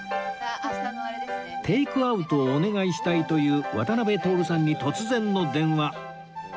テイクアウトをお願いしたいという渡辺徹さんに突然の電話